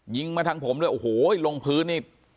ยิงมาทางผมด้วยโอ้โหลงพื้นนี่